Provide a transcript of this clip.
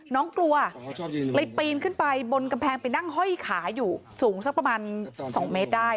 น้องกลัวเลยปีนขึ้นไปบนกำแพงไปนั่งห้อยขาอยู่สูงสักประมาณ๒เมตรได้